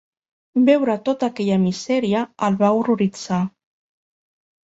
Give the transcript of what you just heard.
Veure tota aquella misèria el va horroritzar.